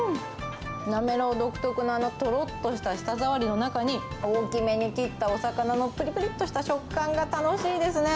なめろう独特のとろっとした舌触りの中に、大きめに切ったお魚のぷりぷりっとした食感が楽しいですね。